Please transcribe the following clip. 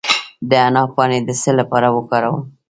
د حنا پاڼې د څه لپاره وکاروم؟